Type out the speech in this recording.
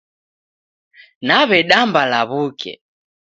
Naw'edamba law'uke